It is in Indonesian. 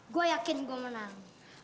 gue yakin gue menang